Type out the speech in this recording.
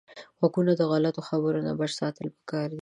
غوږونه د غلطو خبرو نه بچ ساتل پکار دي